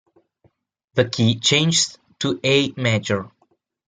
The key changes to A major.